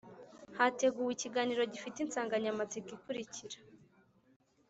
hateguwe ikiganiro gifite insangamatsiko ikurikira